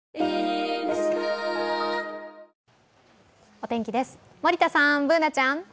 お天気です、森田さんＢｏｏｎａちゃん。